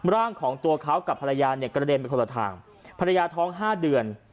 ร่างของตัวเขากับภรรยาเนี่ยกระเด็นไปคนละทางภรรยาท้อง๕เดือน